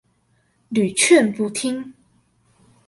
屢勸不聽